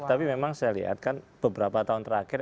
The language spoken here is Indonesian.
tapi memang saya lihat kan beberapa tahun terakhir